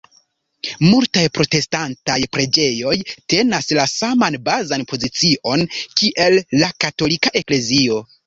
Multaj protestantaj preĝejoj tenas la saman bazan pozicion kiel la katolika eklezio.